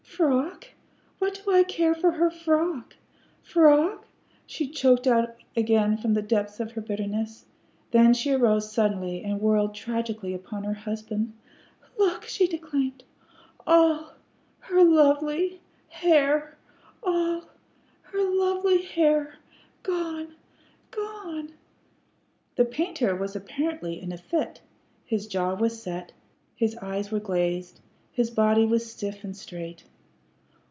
"Frock! What do I care for her frock? Frock!" she choked out again from the depths of her bitterness. Then she arose suddenly, and whirled tragically upon her husband. "Look!" she declaimed. "All her lovely hair all her lovely hair gone gone!" The painter was apparently in a fit; his jaw was set, his eyes were glazed, his body was stiff and straight.